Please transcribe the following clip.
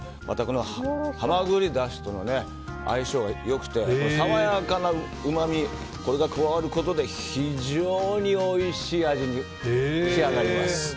また、このハマグリだしとの相性が良くて爽やかなうまみが加わることで非常においしい味に仕上がります。